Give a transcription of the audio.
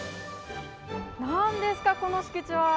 なんですか、この敷地は。